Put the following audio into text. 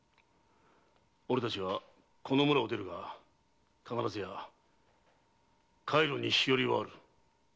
俺たちはこの村を出るが必ずや海路に日和はある。